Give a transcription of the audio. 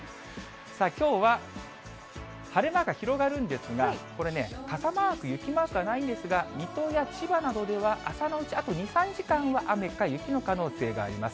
きょうは晴れ間が広がるんですが、これね、傘マーク、雪マークはないんですが、水戸や千葉などでは朝のうち、あと２、３時間は雨か雪の可能性があります。